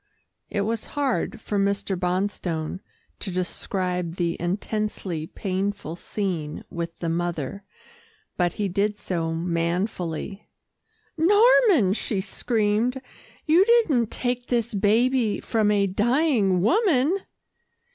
It was hard for Mr. Bonstone to describe the intensely painful scene with the mother, but he did so manfully. "Norman," she screamed, "you didn't take this baby from a dying woman!"